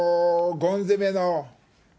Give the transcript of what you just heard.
ゴン攻め？